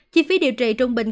chi phí điều trị trung bình